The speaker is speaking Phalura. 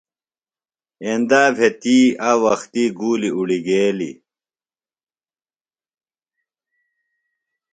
ایندا بھےۡ تی آک وختی گُولیۡ اُڑیگیلیۡ۔